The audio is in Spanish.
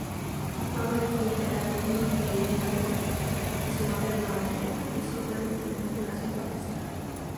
Su padre es nigeriano y su madre austriaca, y sorprendentemente nació en Pakistán.